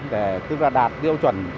để đạt điệu chuẩn